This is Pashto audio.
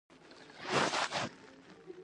د زورورتيا تر ټولو لويه نښه دا ده.